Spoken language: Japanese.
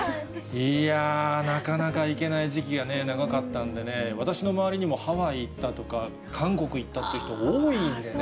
いやー、なかなか行けない時期がね、長かったんでね、私の周りにもハワイ行ったとか、韓国行ったっていう人、多いんでね。